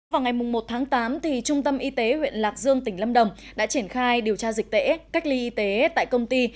vào ngày một tháng tám trung tâm y tế huyện lạc dương tỉnh lâm đồng đã triển khai điều tra dịch tễ cách ly y tế tại công ty